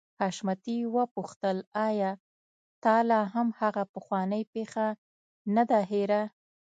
حشمتي وپوښتل آيا تا لا هم هغه پخوانۍ پيښه نه ده هېره.